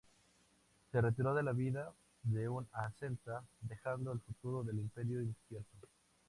Se retiró a la vida de un asceta dejando el futuro del imperio incierto.